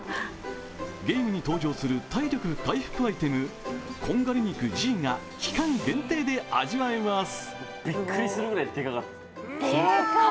ゲームに登場する体力回復アイテム、こんがり肉Ｇが期間限定で味わえます。